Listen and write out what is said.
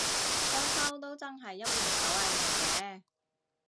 裝修都真係一門手藝嚟嘅